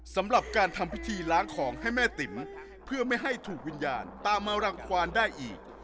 สำหรับการทำพิธีล้างของให้แม่ติ๋มเพื่อไม่ให้ถูกวิญญาณตามมารังควานได้อีก